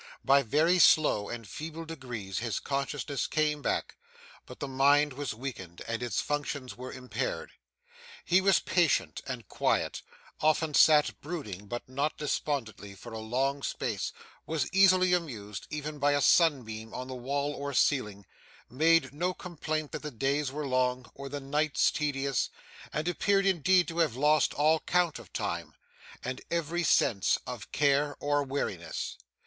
By very slow and feeble degrees his consciousness came back; but the mind was weakened and its functions were impaired. He was patient, and quiet; often sat brooding, but not despondently, for a long space; was easily amused, even by a sun beam on the wall or ceiling; made no complaint that the days were long, or the nights tedious; and appeared indeed to have lost all count of time, and every sense of care or weariness.